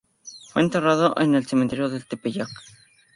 Fue enterrado en el Cementerio del Tepeyac.